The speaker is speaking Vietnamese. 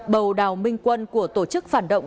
bầu đào minh quân của tổ chức phản động